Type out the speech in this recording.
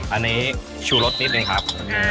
อันนี้ชูรสนิดนึงครับ